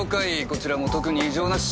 こちらも特に異常なし。